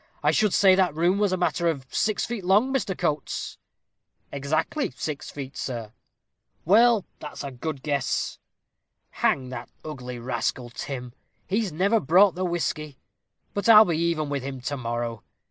I should say that room was a matter of six feet long, Mr. Coates." "Exactly six feet, sir." "Well, that's a good guess. Hang that ugly rascal, Tim; he's never brought the whisky. But I'll be even with him to morrow.